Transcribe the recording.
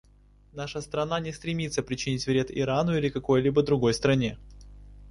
Наша страна не стремится причинить вред Ирану или какой-либо другой стране.